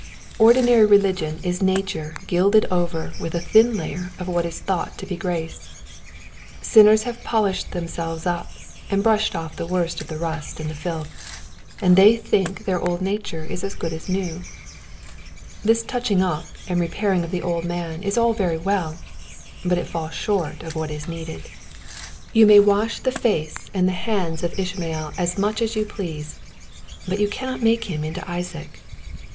Ordinary religion is nature gilded over with a thin layer of what is thought to be grace. Sinners have polished themselves up, and brushed off the worst of the rust and the filth, and they think their old nature is as good as new. This touching up and repairing of the old man is all very well ; but it falls short of what is needed. You may lO According to the Promise, wash the face and hands of Ishmael as much as you please, but you cannot make him into Isaac.